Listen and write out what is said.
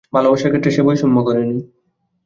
ভালোবাসার ক্ষেত্রে সে বৈষম্য করেনি।